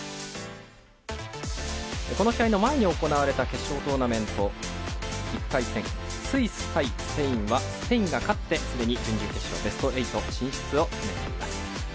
この試合の前に行われた決勝トーナメント１回戦、スイス対スペインはスペインが勝ってすでに準々決勝ベスト８進出を決めています。